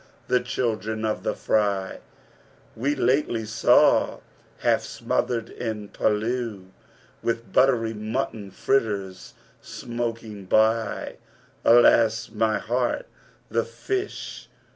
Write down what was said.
The children of the fry, We lately saw Half smothered in pilau With buttery mutton fritters smoking by! Alas! my heart, the fish!